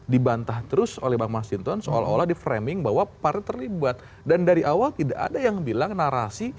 dia mau mengatakan bahwa orang jadi jangan bawa bawa